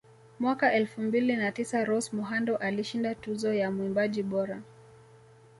Mwaka elfu mbili na tisa Rose Muhando alishinda Tuzo ya Mwimbaji bora